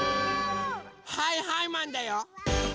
はいはいマンだよ！